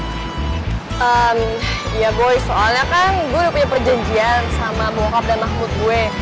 ehm iya boy soalnya kan gue punya perjanjian sama bokap dan mahmud gue